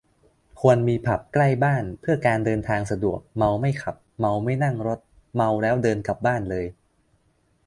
ควรมีผับใกล้บ้าน เพื่อการเดินทางสะดวก เมาไม่ขับ เมาไม่นั่งรถ เมาแล้วเดินกลับบ้านเลย